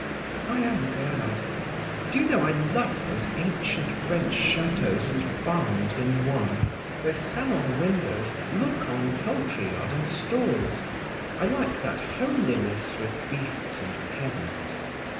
"I am glad. Do you know, I love those ancient French chateaux and farms in one, where salon windows look on poultry yard and stalls. I like that homeliness with beasts and peasants."